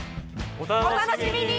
お楽しみに！